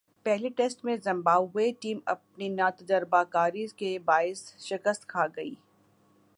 پہلے ٹیسٹ میں Zimbabwe team اپنی ناتجربہ کاری کے باعث شکست کھاگئی ۔